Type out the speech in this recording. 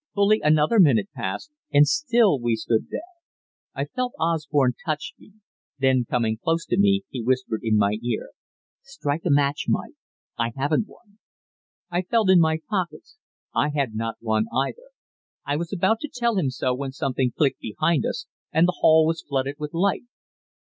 Fully another minute passed, and still we stood there. I felt Osborne touch me. Then, coming close to me, he whispered in my ear: "Strike a match, Mike; I haven't one." I felt in my pockets. I had not one either. I was about to tell him so when something clicked behind us, and the hall was flooded with light.